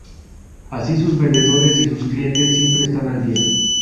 Así sus vendedores y sus clientes siempre están al día.